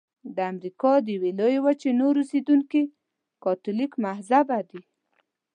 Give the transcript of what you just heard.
د امریکا د لویې وچې نور اوسیدونکي کاتولیک مذهبه دي.